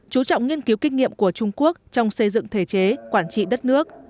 chú trọng nghiên cứu kinh nghiệm của trung quốc trong xây dựng thể chế quản trị đất nước